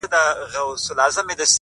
چي هغه نه وي هغه چــوفــــه اوســــــي”